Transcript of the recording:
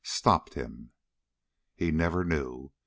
stopped him. He never knew.